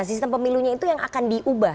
sistem pemilunya itu yang akan diubah